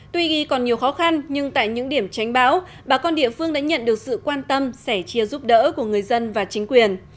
tuy ghi còn nhiều khó khăn nhưng tại những điểm tránh bão bà con địa phương đã nhận được sự quan tâm sẻ chia giúp đỡ của người dân và chính quyền